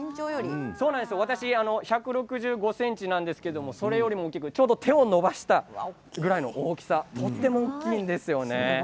私１６５ｃｍなんですけれどもそれよりもちょうど手を伸ばしたぐらいの大きさ、とても大きいですよね。